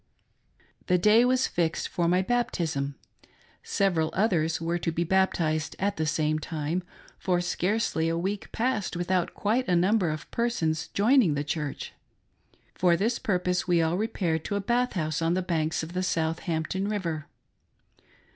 The day was fixed for my baptism. Several others were to be baptized at the same time ; for scarcely a week passed with out quite a number of persons joining the church. For this purpose we all repaired to a bath house on the banks of the Southampton river.